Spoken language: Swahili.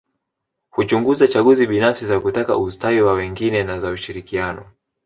Huchunguza chaguzi binafsi za kutaka ustawi wa wengine na za ushirikiano